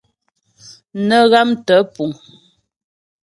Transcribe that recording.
Nə́ ghámtə́ puŋ.